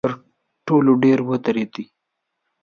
تر ټولو ډیر ودردوي.